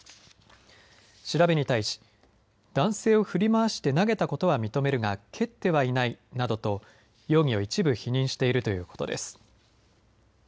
調べに対し、男性を振り回して投げたことは認めるが蹴ってはいないなどと容疑を一部否認しているということです。